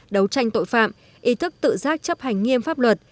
đấu tranh tội phạm ý thức tự giác chấp hành nghiêm pháp luật